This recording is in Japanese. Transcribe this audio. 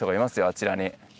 あちらに。